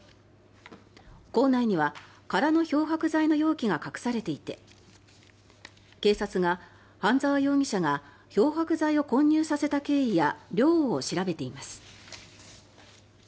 校内には空の漂白剤の容器が隠されていて警察が、半澤容疑者が漂白剤を混入させた経緯や量を調べています。